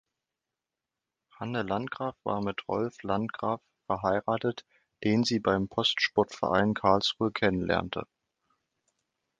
Hanne Landgraf war mit Rolf Landgraf verheiratet, den sie beim Postsportverein Karlsruhe kennenlernte.